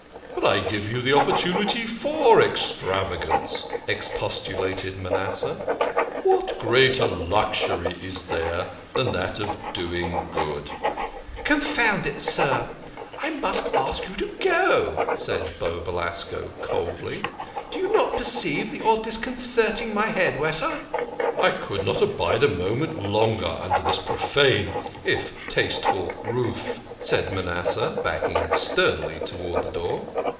" But I give you the opportunity for extravagance," ex postulated Manasseh. " What greater luxury is there than that of doing good ?"" Confound it, sir, I must ask you to go," said Beau Be lasco coldly. " Do you not perceive that you are discon certing my hairdresser? "" I could not abide a moment longer under this profane, if tasteful, roof," said Manasseh, backing sternly towards the door.